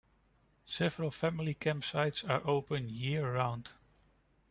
Several family campsites are open year-round.